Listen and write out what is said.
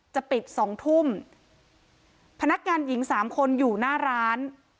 จะปิดสองทุ่มพนักงานหญิงสามคนอยู่หน้าร้าน